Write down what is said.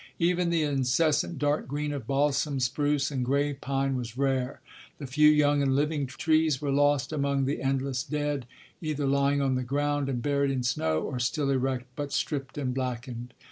Even the incessant dark green of balsam, spruce and gray pine was rare; the few young and living trees were lost among the endless dead, either lying on the ground and buried in snow, or still erect but stripped and blackened.